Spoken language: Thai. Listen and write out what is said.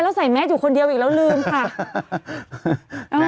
แล้วใส่แมสอยู่คนเดียวอีกแล้วลืมค่ะ